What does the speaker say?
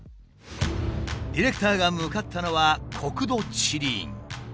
ディレクターが向かったのは国土地理院。